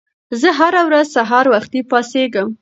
زه هره ورځ سهار وختي پاڅېږم.